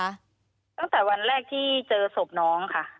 ตั้งแต่วันแรกที่เจอศพน้องค่ะ